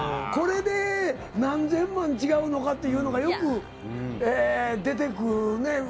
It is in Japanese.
これで何千万違うのかっていうのが、よく出てくるね。